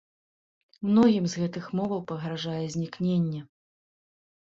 Многім з гэтых моваў пагражае знікненне.